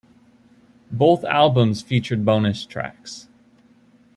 Both albums featured bonus tracks.